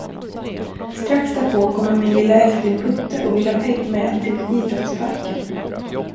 Strax därpå kommer min lilla älskling Putte och vill ha Pegg med till Idrottsparken.